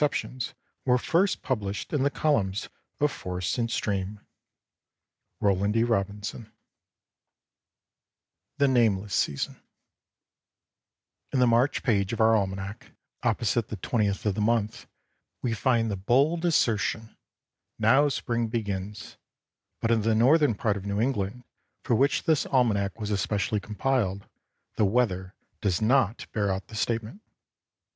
AN ICE STORM LVI. SPARE THE TREES LVII. THE CHICKADEE IN NEW ENGLAND FIELDS AND WOODS I THE NAMELESS SEASON In the March page of our almanac, opposite the 20th of the month we find the bold assertion, "Now spring begins;" but in the northern part of New England, for which this almanac was especially compiled, the weather does not bear out the statement.